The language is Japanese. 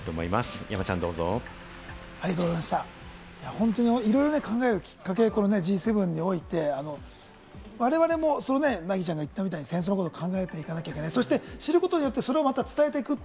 本当にいろいろ考えるきっかけ、Ｇ７において、我々も凪ちゃんが言ったみたいに戦争のことを考えていかなければいけない、そして知る事で伝えていく。